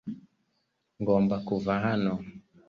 Ngomba kuva hano. (Spamster)